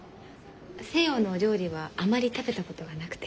西洋のお料理はあまり食べたことがなくて。